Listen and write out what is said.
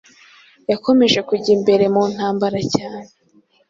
yakomeje kujya imbere mu ntambara cyane